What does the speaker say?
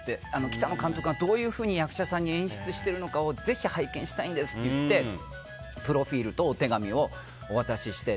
北野監督がどういうふうに役者さんに演出してるのかをぜひ拝見したいんですって言ってプロフィールとお手紙をお渡しして。